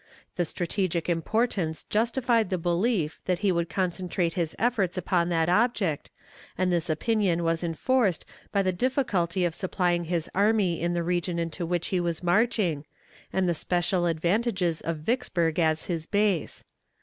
Its strategic importance justified the belief that he would concentrate his efforts upon that object, and this opinion was enforced by the difficulty of supplying his army in the region into which he was marching, and the special advantages of Vicksburg as his base.